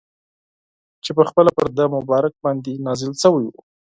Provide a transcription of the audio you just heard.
چي پخپله پر ده مبارک باندي نازل سوی وو.